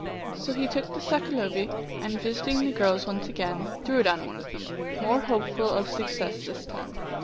So he took the sakalobe, and, visiting the girls once again, threw it on one of them, more hopeful of success this time.